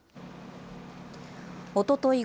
おととい